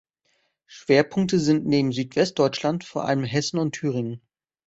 Schwerpunkte sind neben Südwestdeutschland vor allem Hessen und Thüringen.